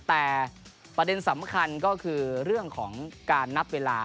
แต่ประเด็นสำคัญก็คือเรื่องของการนับเวลา